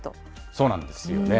そうなんですよね。